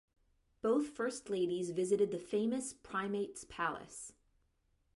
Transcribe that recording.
Both first ladies visited the famous Primate's Palace.